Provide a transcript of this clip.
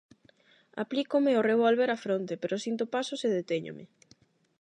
Aplícome o revólver á fronte, pero sinto pasos e detéñome.